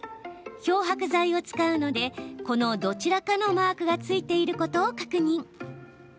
漂白剤を使うのでこのどちらかのマークがついてることを確認。